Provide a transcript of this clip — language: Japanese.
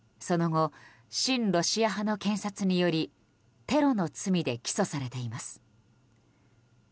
その後、親ロシア派の検察によりテロの罪で起訴されています。